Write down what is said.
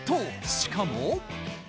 しかも。